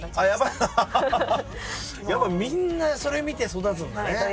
やっぱみんなそれ見て育つんだね。